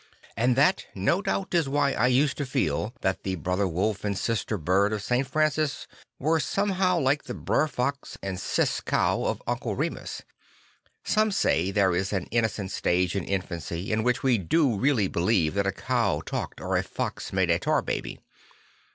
And that, no doubt, is why I used to feel that the Brother Wolf and Sister Bird of St. Francis were somehow like the Brer Fox and Sis Cow of Uncle Remus. Some say there is an innocent stage of infancy in which we do really believe that a cow talked or a fox made a tar baby.